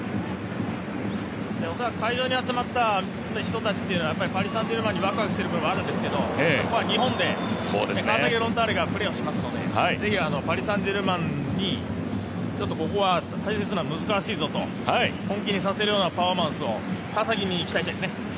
恐らく会場に集まった人たちというのはパリ・サン＝ジェルマンにワクワクしている部分があるんですけどここは日本で、川崎フロンターレがプレーしますのでぜひ、パリ・サン＝ジェルマンにここは本気にさせるようなパフォーマンスを川崎に期待したいですね。